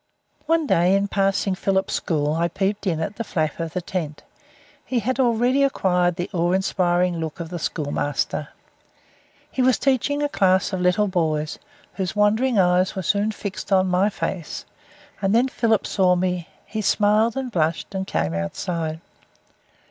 One day in passing Philip's school I peeped in at the flap of the tent. He had already acquired the awe inspiring look of the schoolmaster. He was teaching a class of little boys, whose wandering eyes were soon fixed on my face, and then Philip saw me. He smiled and blushed, and came outside.